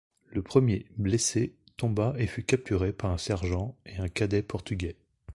Le premier, blessé, tomba et fut capturé par un sergent et un cadet portugais.